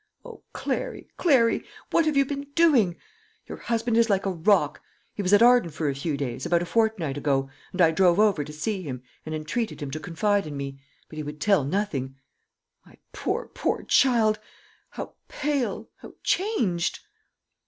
O, Clary, Clary, what have you been doing! Your husband is like a rock. He was at Arden for a few days, about a fortnight ago, and I drove over to see him, and entreated him to confide in me; but he would tell nothing. My poor, poor child! how pale, how changed!"